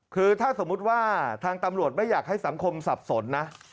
คือถ้าสมมุติว่าทางตำรวจไม่อยากให้สังคมสับสนนะ